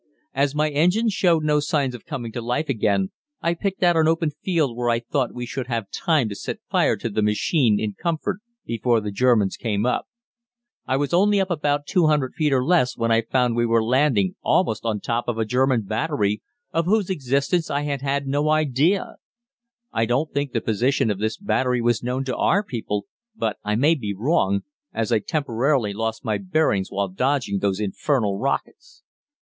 As my engine showed no signs of coming to life again, I picked out an open field where I thought we should have time to set fire to the machine in comfort before the Germans came up. I was only up about 200 feet or less when I found we were landing almost on top of a German battery, of whose existence I had had no idea. I don't think the position of this battery was known to our people, but I may be wrong, as I temporarily lost my bearings while dodging those infernal rockets.